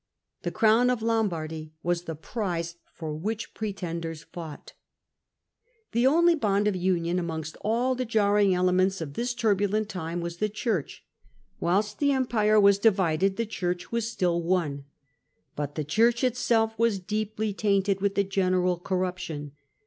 The crown of Lombardy was tjie prize for which pretenders fought. ^The only bond of union amongst all the jarring ele mgn^ of tETs turbulent time was the OhurcHT Whilst oorrnption the Empire was divided, tKe^Ohnrchrwas still cttmroh one. But jihe Church itself was de^^yjbainted with ttie general corruption.